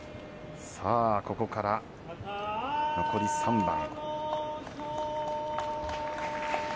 ここから残り３番。